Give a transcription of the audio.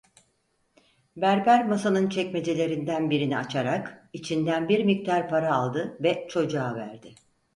Berber masanın çekmecelerinden birini açarak içinden bir miktar para aldı ve çocuğa verdi.